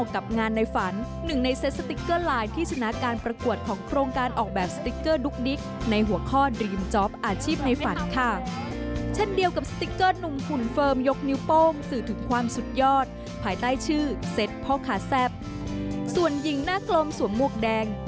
คือเซตอาจุมมากค่ะ